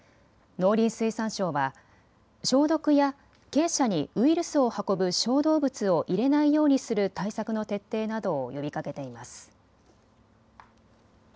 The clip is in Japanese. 農林水産省は消毒や鶏舎にウイルスを運ぶ小動物を入れないようにする対策の徹底などを呼びかけています。